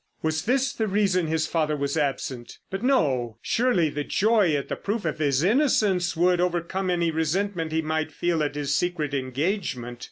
Was this the reason his father was absent? But no! surely the joy at the proof of his innocence would overcome any resentment he might feel at his secret engagement.